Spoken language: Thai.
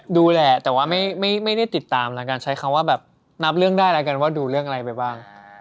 ก็ดูแหละแต่ว่าไม่ได้ติดตามจากภาพว่าแบบนับเรื่องได้สินะว่าดูเรื่องอะไรไปบ้าง